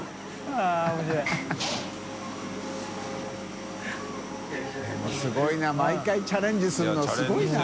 任すごいな毎回チャレンジするのすごいな。